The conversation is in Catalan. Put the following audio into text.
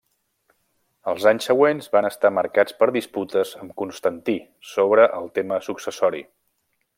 Els anys següents van estar marcats per disputes amb Constantí sobre el tema successori.